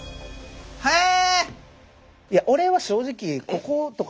へえ！